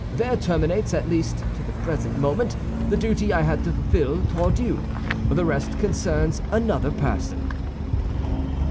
There terminates, at least to the present moment, the duty I had to fulfill toward you; the rest concerns another person."